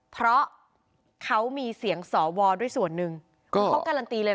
เพราะเขามีเสียงสวด้วยส่วนหนึ่งเขาการันตีเลยนะ